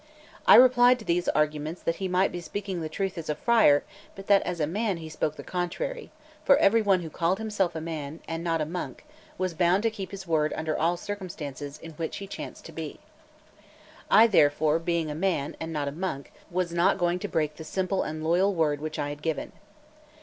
I replied to these arguments that he might be speaking the truth as a friar, but that as a man he spoke the contrary; for every one who called himself a man, and not a monk, was bound to keep his word under all circumstances in which he chanced to be. I therefore, being a man, and not a monk, was not going to break the simple and loyal word which I had given.